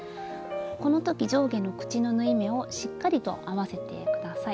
この時上下の口の縫い目をしっかりと合わせて下さい。